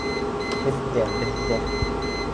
Һеҙ ҙә, беҙ ҙә!